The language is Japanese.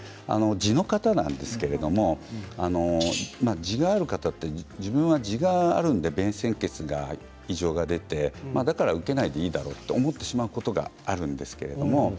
じの方なんですけどじがある方は自分はじがあるので便潜血が異常が出てだから受けないでいいだろうと思ってしまうことがあるんですけれども